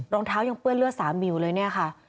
รองเท้ายังเปื้อนเลือด๓อยู่เลยเนี่ยค่ะ